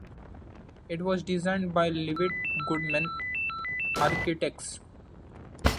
It was designed by Levitt Goodman Architects.